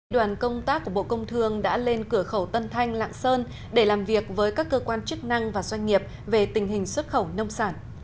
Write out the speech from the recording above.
đoàn công tác của bộ công thương đã lên cửa khẩu tân thanh lạng sơn để làm việc với các cơ quan chức năng và doanh nghiệp về tình hình xuất khẩu nông sản